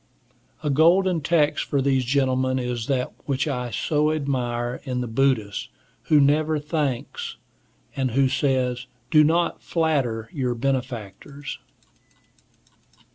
A golden text for these gentlemen is that which I so admire in the Buddhist, who never thanks, and who says, "Do not flatter your benefactors."